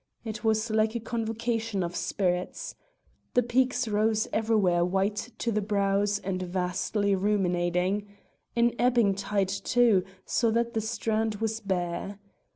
It was like a convocation of spirits. The peaks rose everywhere white to the brows and vastly ruminating. An ebbing tide too, so that the strand was bare.